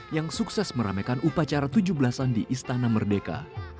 yang sukses meramaikan upacara tujuh belasan di istana merdeka